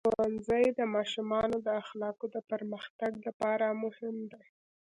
ښوونځی د ماشومانو د اخلاقو د پرمختګ لپاره مهم دی.